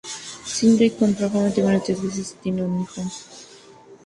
Ridgway contrajo matrimonio tres veces y tiene un hijo.